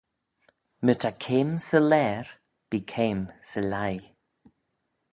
My ta keim 'sy laair, bee keim 'sy lhiy